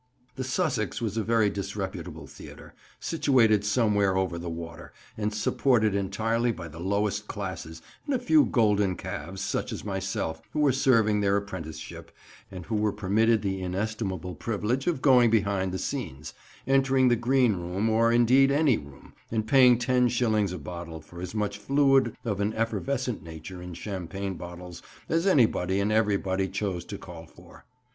The 'Sussex' was a very disreputable theatre, situated somewhere over the water, and supported entirely by the lowest classes and a few golden calves, such as myself, who were serving their apprenticeship, and who were permitted the inestimable privilege of going behind the scenes—entering the green room, or indeed any room, and paying ten shillings a bottle for as much fluid of an effervescent nature in champagne bottles as anybody and everybody chose to call for.